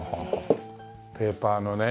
ペーパーのね。